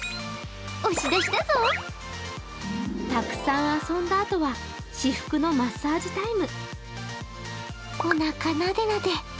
たくさん遊んだあとは至福のマッサージタイム。